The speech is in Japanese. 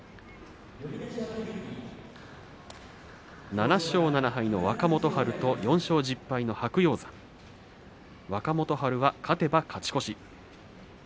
７勝７敗の若元春と４勝１０敗の白鷹山若元春は勝てば勝ち越し。